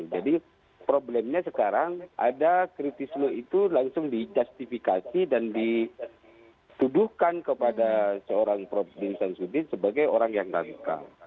jadi problemnya sekarang ada kritis law itu langsung dicastifikasi dan dituduhkan kepada seorang prof dim sam sudin sebagai orang yang rancang